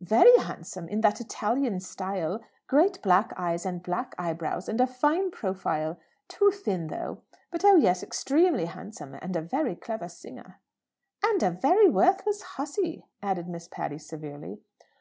"Very handsome in that Italian style. Great black eyes, and black eyebrows, and a fine profile. Too thin, though. But, oh yes; extremely handsome. And a very clever singer." "And a very worthless hussey," added Miss Patty severely.